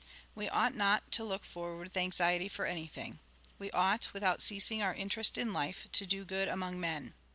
" We ought not to look forward with anxiety for anything. We ought, without ceasing our interest in life, to do good among men."